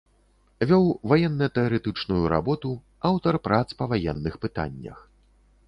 Вёў ваенна-тэарэтычную работу, аўтар прац па ваенных пытаннях.